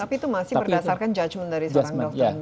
tapi itu masih berdasarkan judgement dari seorang dokter